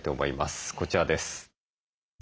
こちらです。